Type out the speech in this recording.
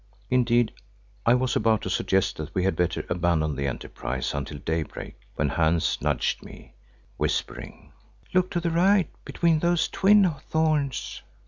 Indeed, I was about to suggest that we had better abandon the enterprise until daybreak when Hans nudged me, whispering, "Look to the right between those twin thorns."